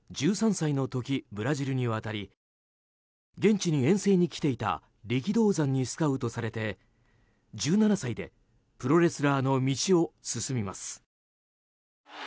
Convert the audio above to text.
１３歳の時、ブラジルに渡り現地に遠征に来ていた力道山にスカウトされて１７歳で、プロレスラーの道を進みます。